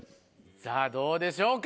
さぁどうでしょうか。